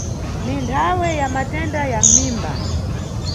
Ni nthawe ya matenda ya mʼmimba.